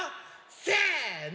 せの！